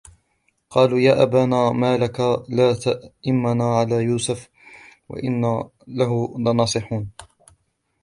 قالوا يا أبانا ما لك لا تأمنا على يوسف وإنا له لناصحون